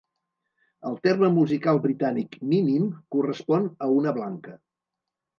El terme musical britànic "minim" correspon a una blanca.